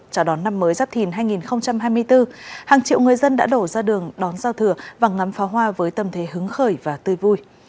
chào đón năm mới giáp thìn hai nghìn hai mươi bốn hàng triệu người dân đã đổ ra đường đón giao thừa và ngắm pháo hoa với tâm thế hứng khởi và tươi vui